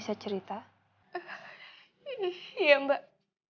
terjata selama ini